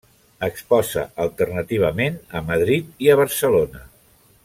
Exposa alternativament a Madrid i a Barcelona.